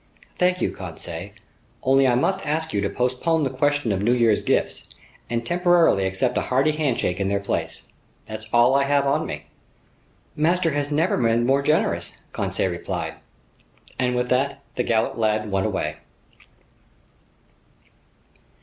"Thank you, Conseil. Only I must ask you to postpone the question of new year's gifts, and temporarily accept a hearty handshake in their place. That's all I have on me." "Master has never been more generous," Conseil replied. And with that, the gallant lad went away.